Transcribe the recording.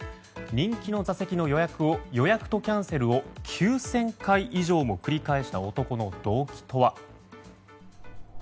人気の座席の予約とキャンセルを９０００回以上も繰り返した男の動機とは。